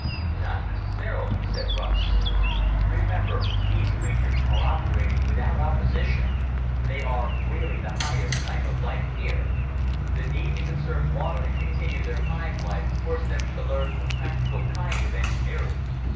"Not necessarily," said Russ. "Remember, these creatures are operating without opposition they are really the highest type of life here. The need to conserve water and continue their hive life forced them to learn a practical kind of engineering.